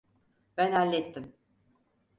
Ben hallettim.